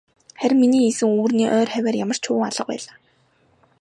Харин миний хийсэн үүрний ойр хавиар ямарч шувуу алга байлаа.